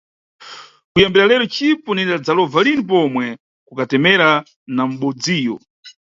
Kuyambira lero cipo ndinidzalova lini pomwe ku katemera na mʼbodziyo.